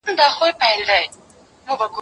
يوه د خوارۍ ژړله، بل ئې د خولې پېښې کولې.